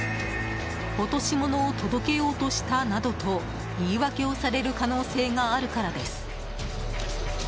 落とし物を届けようとしたなどと言い訳をされる可能性があるからです。